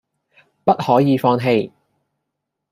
不可以放棄！